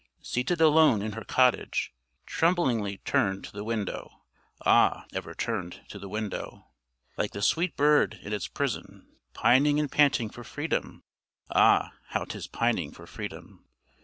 Seated alone in her cottage, Tremblingly turned to the window; Ah! ever turned to the window. Like the sweet bird in its prison, Pining and panting for freedom; Ah! how 'tis pining for freedom!